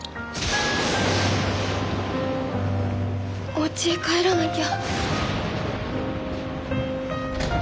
おうちへ帰らなきゃ。